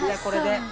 これで。